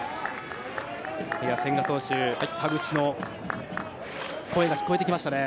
千賀投手、田口の声が聞こえてきましたね。